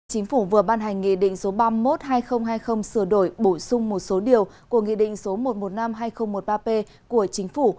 chính phủ vừa ban hành nghị định số ba mươi một hai nghìn hai mươi sửa đổi bổ sung một số điều của nghị định số một trăm một mươi năm hai nghìn một mươi ba p của chính phủ